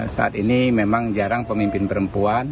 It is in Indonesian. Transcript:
saat ini memang jarang pemimpin perempuan